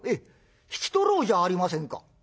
引き取ろうじゃありませんか」。